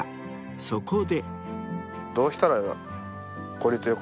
［そこで］